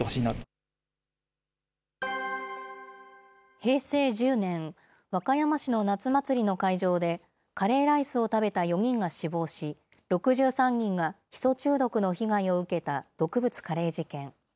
平成１０年、和歌山市の夏祭りの会場で、カレーライスを食べた４人が死亡し、６３人がヒ素中毒の被害を受けた毒物カレー事件。